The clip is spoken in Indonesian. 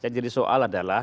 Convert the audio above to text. jadi soal adalah